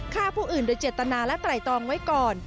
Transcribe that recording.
ฆ่าผู้อื่นโดยเจตนาและไตรตองไว้ก่อน